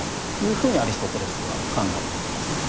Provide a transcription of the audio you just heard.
ふうにアリストテレスは考えています。